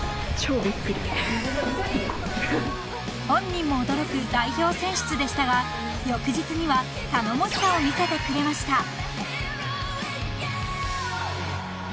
［本人も驚く代表選出でしたが翌日には頼もしさを見せてくれました］